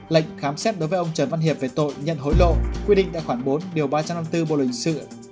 lệnh khám xét đối với ông trần văn hiệp về tội nhận hối lộ quyết định tại khoảng bốn ba trăm năm mươi bốn bộ luyện sự